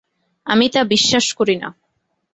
আমি তা বিশ্বাস করি না।